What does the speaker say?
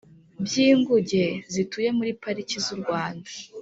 by inguge zituye muri pariki z u Rwanda